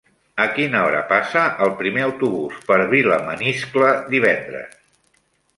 A quina hora passa el primer autobús per Vilamaniscle divendres?